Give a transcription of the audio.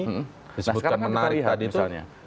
nah sekarang kita lihat misalnya